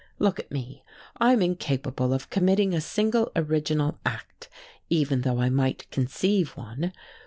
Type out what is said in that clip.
Look at me! I'm incapable of committing a single original act, even though I might conceive one.